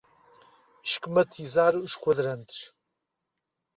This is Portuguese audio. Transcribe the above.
Esquematizar os quadrantes